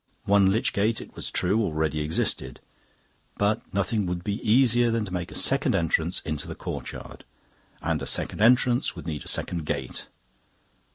One lich gate, it was true, already existed. But nothing would be easier than to make a second entrance into the churchyard; and a second entrance would need a second gate.